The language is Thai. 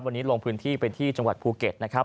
วันนี้ลงพื้นที่ไปที่จังหวัดภูเก็ตนะครับ